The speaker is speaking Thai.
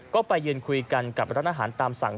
ก็ไปยืนคุยกันกับร้านอาหารตามสั่ง